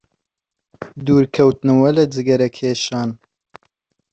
دوورکەوتنەوە لە جگەرەکێشان